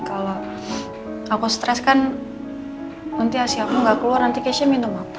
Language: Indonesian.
kalo aku stres kan nanti asiaku gak keluar nanti kece minum apa